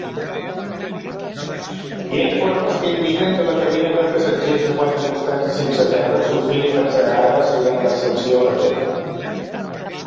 Hi ha informes que indiquen que la cabina de passatgers de quatre costats i sense terra sofria batzegades durant l'ascensió a la torre.